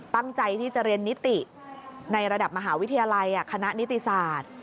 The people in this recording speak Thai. ตั้งใจที่จะเรียนนิติในระดับมหาวิทยาลัยคณะนิติศาสตร์